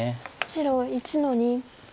白１の二。